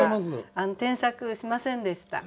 添削しませんでした。